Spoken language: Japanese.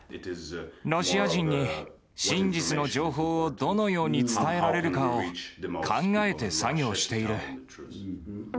ロシア人に、真実の情報をどのように伝えられるかを考えて作業している。